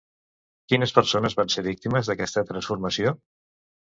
Quines persones van ser víctimes d'aquesta transformació?